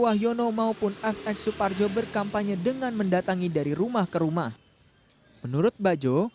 wahyono maupun fx suparjo berkampanye dengan mendatangi dari rumah ke rumah menurut bajo